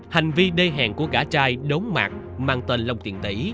hành vi đê hẹn của gã trai đống mạc mang tên long tiện tỷ